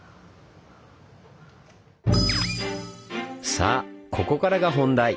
さあここからが本題。